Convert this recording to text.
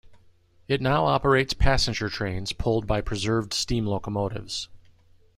It now operates passenger trains pulled by preserved steam locomotives.